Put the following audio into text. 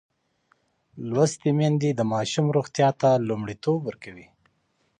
لوستې میندې د ماشوم روغتیا ته لومړیتوب ورکوي.